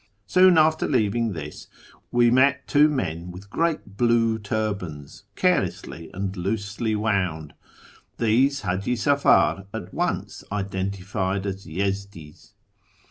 Soon after leaving this we met two men with great Muc turbans, carelessly and loosely wouml. Tliese H;iji Safar at once identified as Yezdi's.